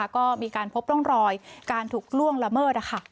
ก็มีการพบร่องรอยการถูกล่วงละเมิด